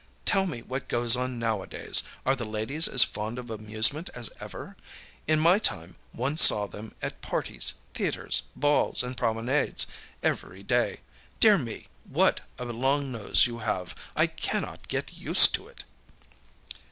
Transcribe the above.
Tell me what goes on nowadays; are the ladies as fond of amusement as ever? In my time one saw them at parties, theatres, balls, and promenades every day. Dear me! what a long nose you have! I cannot get used to it!